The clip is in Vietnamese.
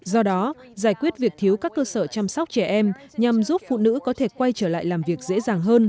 do đó giải quyết việc thiếu các cơ sở chăm sóc trẻ em nhằm giúp phụ nữ có thể quay trở lại làm việc dễ dàng hơn